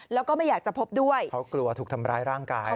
แล้วก็ไม่อยากจะพบด้วยเขากลัวถูกทำร้ายร่างกาย